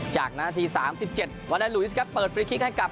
จากนาที๓๗วันนั้นลุยสิครับเปิดฟรีคลิกให้กับ